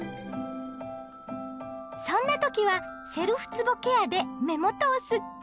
そんな時はセルフつぼケアで目元をスッキリ！